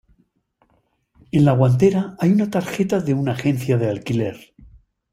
En la guantera hay una tarjeta de una agencia de alquiler.